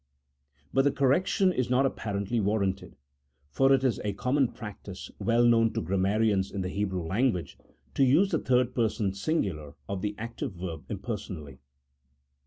But the correction is not apparently warranted, for it is a common practice, well known to grammarians in the He brew language, to use the third person singular of the active verb impersonally.